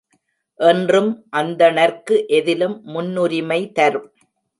என்றும் அந்தணர்க்கு எதிலும் முன்னுரிமை தரும்.